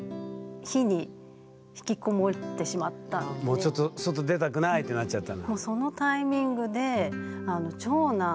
もうちょっと「外出たくない」ってなっちゃったんだ。